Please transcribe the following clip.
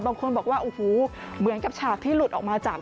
บางคนบอกว่าโอ้โหเหมือนกับฉากที่หลุดออกมาจาก